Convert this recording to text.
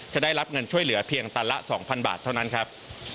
จะได้รับเงินช่วยเหลือเพียงตันละ๒๐๐บาทเท่านั้นครับ